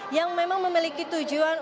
yang memang memiliki tujuan